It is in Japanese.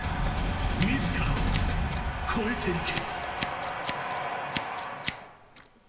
自らを越えてゆけ。